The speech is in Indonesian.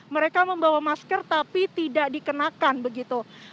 mereka membawa masker tapi tidak dikenakan begitu